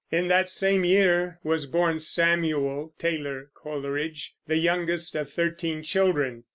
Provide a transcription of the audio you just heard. In that same year was born Samuel Taylor Coleridge, the youngest of thirteen children.